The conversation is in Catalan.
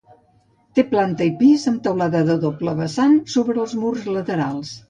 Té planta i pis, amb teulada de doble vessant sobre els murs laterals.